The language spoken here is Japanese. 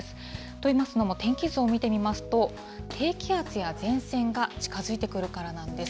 といいますのも、天気図を見てみますと、低気圧や前線が近づいてくるからなんです。